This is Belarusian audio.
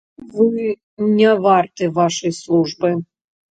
Вы не варты вашай службы.